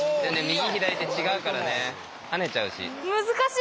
右左で違うからね跳ねちゃうし。